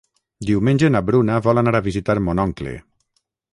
Diumenge na Bruna vol anar a visitar mon oncle.